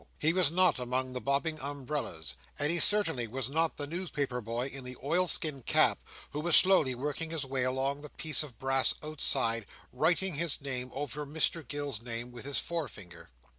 He was not among the bobbing umbrellas, and he certainly was not the newspaper boy in the oilskin cap who was slowly working his way along the piece of brass outside, writing his name over Mr Gills's name with his forefinger.